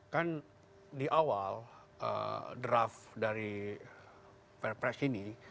kan di awal draft dari perpres ini